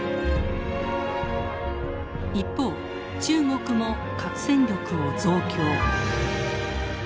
一方中国も核戦力を増強。